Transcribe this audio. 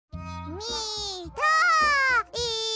みたい！